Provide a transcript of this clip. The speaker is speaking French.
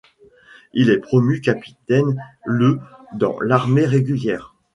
Il est promu capitaine le dans l'armée régulière.